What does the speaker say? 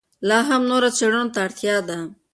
لا هم نورو څېړنو ته اړتیا ده.